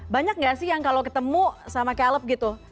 banyak nggak sih yang kalau ketemu sama caleb gitu